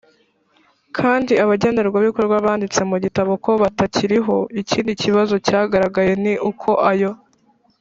kandi abagenerwabikorwa banditse mu bitabo ko batakiriho Ikindi kibazo cyagaragaye ni uko ayo